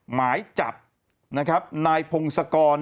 หมายจับนายพงศกร